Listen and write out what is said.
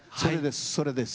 それです。